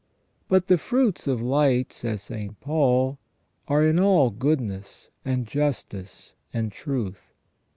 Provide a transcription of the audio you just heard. "But the fruits of light," says St. Paul, "are in all goodness and justice and truth."